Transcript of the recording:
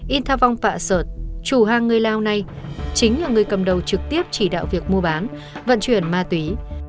in tha vong phạ sợt chủ hàng người lao này chính là người cầm đầu trực tiếp chỉ đạo việc mua bán vận chuyển ma túy